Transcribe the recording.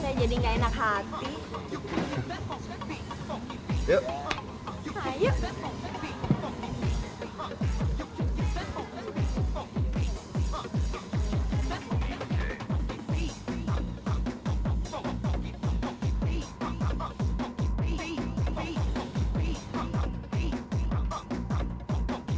saya bisa berhenti disini